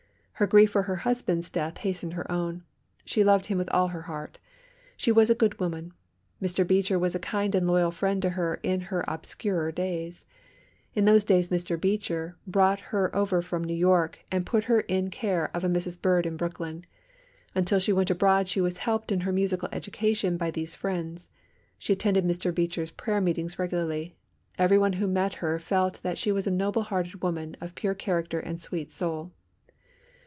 Her grief for her husband's death hastened her own. She loved him with all her heart. She was a good woman. Mr. Beecher was a kind and loyal friend to her in her obscurer days. In those days Mr. Beecher brought her over from New York and put her in care of a Mrs. Bird in Brooklyn. Until she went abroad she was helped in her musical education by these friends. She attended Mr. Beecher's prayer meetings regularly. Everyone who met her felt that she was a noble hearted woman of pure character and sweet soul.